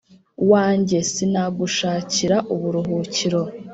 wanjye sinagushakira uburuhukiro